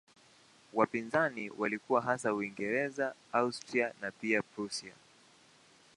Wapinzani walikuwa hasa Uingereza, Austria na pia Prussia.